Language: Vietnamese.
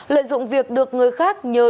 lợi dụng việc được người khác nhờ